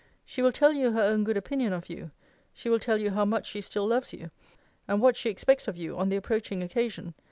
She will tell you her own good opinion of you. She will tell you how much she still loves you; and what she expects of you on the approaching occasion.